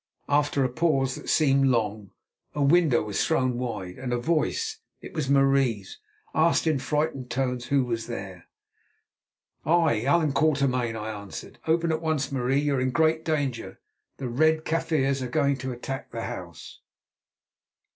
After a pause that seemed long, a window was thrown wide, and a voice—it was Marie's—asked in frightened tones who was there. "I, Allan Quatermain," I answered. "Open at once, Marie. You are in great danger; the Red Kaffirs are going to attack the house."